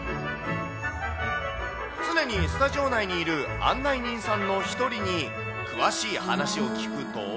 常にスタジオ内にいる案内人さんの１人に、詳しい話を聞くと。